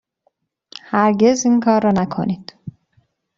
هرگز اینکار را نکنید.